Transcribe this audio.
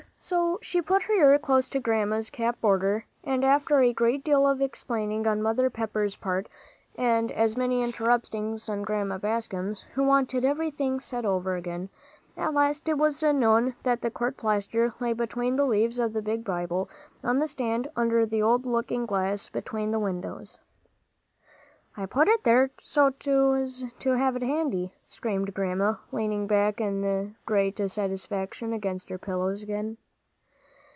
So she put her ear close to Grandma's cap border, and after a great deal of explaining on Mother Pepper's part, and as many interruptings on Grandma Bascom's, who wanted everything said over again, at last it was known that the court plaster lay between the leaves of the big Bible, on the stand under the old looking glass between the windows. "I put it there so's to have it handy," screamed Grandma, leaning back in great satisfaction against her pillows again.